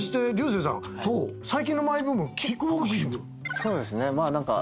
そうですね。